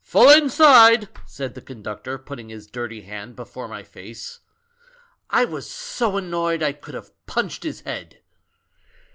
" 'Full inside,' said the conductor, putting his dirty hand before my face. I was so annoyed I could have punched his head!